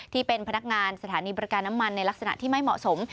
ที่เป็นพนักงานสถานีบริการน้ำมันในลักษณะที่ไม่เหมาะสม